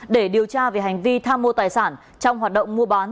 để điều tra về hành vi tham mô tài sản trong hoạt động mua bán